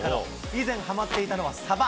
以前はまっていたのはサバ。